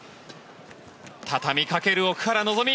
たたみかける奥原希望！